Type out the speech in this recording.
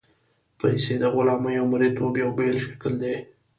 پیسې د غلامۍ او مرییتوب یو بېل شکل دی.